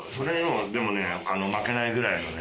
でも負けないぐらいのね